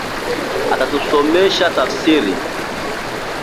akatusomesha tafsiriye